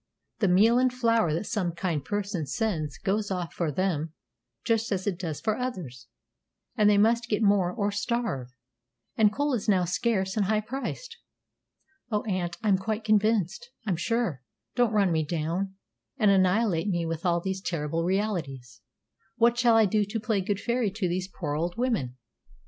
The meal and flour that some kind person sends goes off for them just as it does for others, and they must get more or starve; and coal is now scarce and high priced." "O aunt, I'm quite convinced, I'm sure; don't run me down and annihilate me with all these terrible realities. What shall I do to play good fairy to these poor old women?"